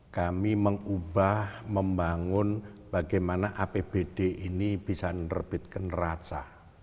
kami mengubah membangun bagaimana apbd ini bisa merebitkan raksa